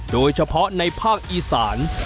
โดยเฉพาะในภาคอีสาน